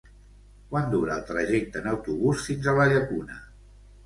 Quant dura el trajecte en autobús fins a la Llacuna?